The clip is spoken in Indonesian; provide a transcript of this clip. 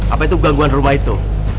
apa itu gangguan rumah itu